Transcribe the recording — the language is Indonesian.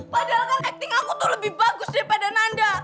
padahal kan acting aku tuh lebih bagus daripada nanda